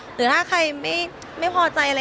หรือถ้าใครไม่พอใจ